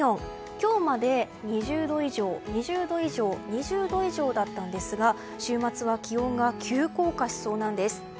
今日まで２０度以上、２０度以上２０度以上だったんですが週末は気温が急降下しそうなんです。